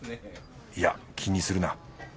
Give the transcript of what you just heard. いや気にするな。